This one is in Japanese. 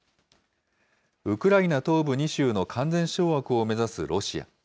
ウクライナ東部２州の完全掌握を目指すロシア。